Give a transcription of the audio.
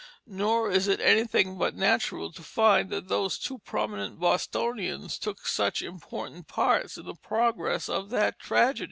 Nor is it anything but natural to find that those two prominent Bostonians took such important parts in the progress of that tragedy.